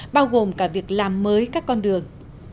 bao gồm cả việc làm mới các con đường